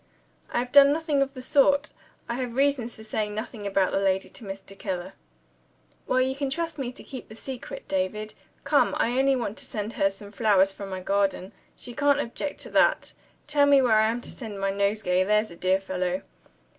"I have done nothing of the sort. I have reasons for saying nothing about the lady to Mr. Keller." "Well, you can trust me to keep the secret, David. Come! I only want to send her some flowers from my garden. She can't object to that. Tell me where I am to send my nosegay, there's a dear fellow."